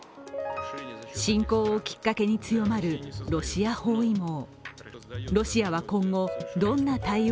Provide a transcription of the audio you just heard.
侵攻をきっかけに強まるロシア包囲網。